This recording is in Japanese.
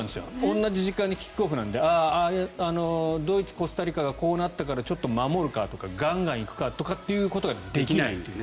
同じ時間にキックオフなのでドイツ・コスタリカがこうなったからちょっと守るかとかガンガン行くかってことができないという。